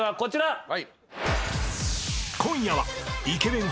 ［今夜はイケメン